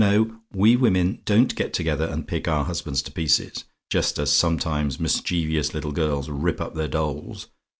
No, we women don't get together, and pick our husbands to pieces, just as sometimes mischievous little girls rip up their dolls.